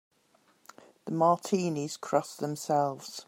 The Martinis cross themselves.